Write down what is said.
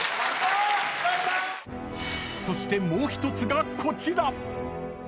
［そしてもう一つがこちら］